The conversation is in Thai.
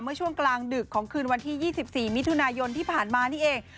เมื่อช่วงกลางดึกของคืนวันที่๒๔มิถุนายนที่ผ่านมานี่เอง